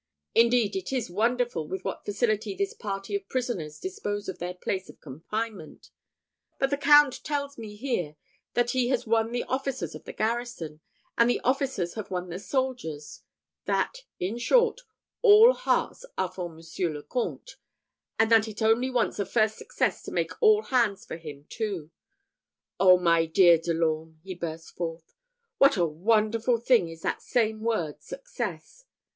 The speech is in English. Indeed, it is wonderful with what facility this party of prisoners dispose of their place of confinement; but the Count tells me here, that he has won the officers of the garrison, and the officers have won the soldiers that, in short, all hearts are for Monsieur le Comte, and that it only wants a first success to make all hands for him too. Oh, my dear De l'Orme," he burst forth, "what a wonderful thing is that same word success!